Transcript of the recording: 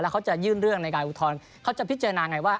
เขาจะยื่นเรื่องในการอุทธรณ์เขาจะพิจารณาไงว่า